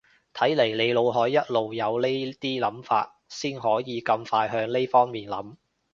睇嚟你腦海一路有呢啲諗法先可以咁快向呢方面諗